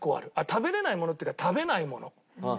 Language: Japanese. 食べられないものっていうか食べないもの。